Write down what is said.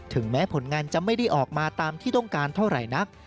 แม้ผลงานจะไม่ได้ออกมาตามที่ต้องการเท่าไหร่นัก